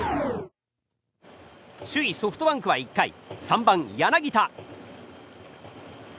首位ソフトバンクは１回３番、柳田。